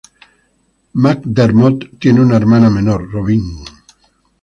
McDermott tiene una hermana menor, Robin.